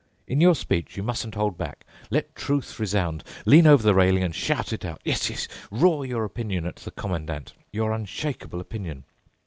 In your speech you mustn't hold back. Let truth resound. Lean over the railing and shout it out—yes, yes, roar your opinion at the Commandant, your unshakeable opinion.